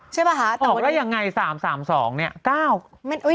ใช่ปะหะแต่วันนี้ออกได้ยังไง๓๓๒เนี่ย